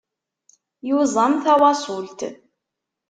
Yuẓam tawaṣult.